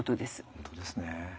本当ですね。